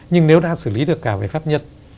nhưng nếu đã xử lý được cả về pháp nhân